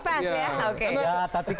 ada vip pass ya